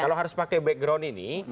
kalau harus pakai background ini